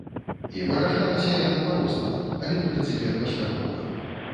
І вырашалася яна па-рознаму, але ў прынцыпе паспяхова.